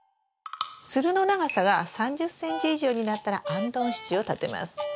つるの長さが３０ｃｍ以上になったらあんどん支柱を立てます。